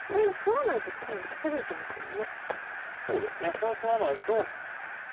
これ取らないと。